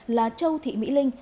là châu thị mỹ linh